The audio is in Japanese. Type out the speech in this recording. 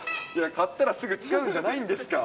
買ったらすぐ使うんじゃないんですか。